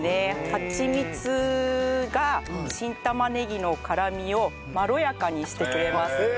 ハチミツが新玉ねぎの辛みをまろやかにしてくれますね。